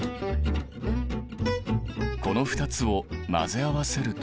この２つを混ぜ合わせると。